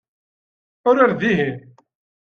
Uraret dihin.